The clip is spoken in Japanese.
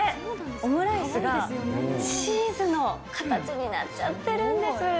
オムライスがチーズの形になっちゃってるんです。